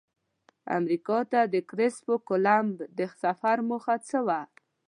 امریکا ته د کرسف کولمب د سفر موخه څه وه؟